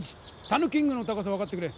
たぬキングの高さをはかってくれ！